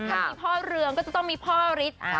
ถ้ามีพ่อเรืองก็จะต้องมีพ่อฤทธิ์